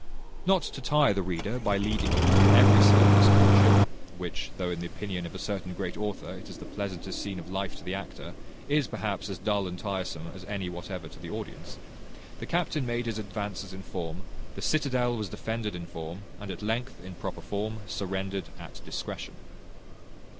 Not to tire the reader, by leading him through every scene of this courtship (which, though in the opinion of a certain great author, it is the pleasantest scene of life to the actor, is, perhaps, as dull and tiresome as any whatever to the audience), the captain made his advances in form, the citadel was defended in form, and at length, in proper form, surrendered at discretion.